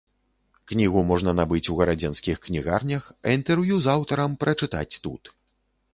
Кнігу можна набыць у гарадзенскіх кнігарнях, а інтэрв'ю з аўтарам прачытаць тут.